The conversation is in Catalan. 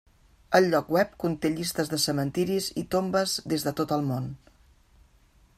El lloc web conté llistes de cementiris i tombes des de tot el món.